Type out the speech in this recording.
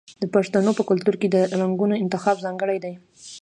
د پښتنو په کلتور کې د رنګونو انتخاب ځانګړی دی.